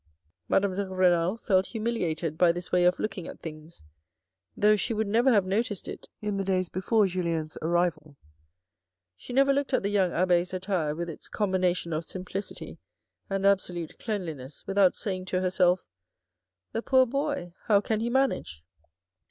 Madame de Renal felt humiliated by this way of looking at things, though she would never have noticed it in the days before Julien's arrival. She never looked at the young abbe's attire, with its combination of simplicity and absolute cleanli ness, without saying to herself, " The poor boy, how can he manage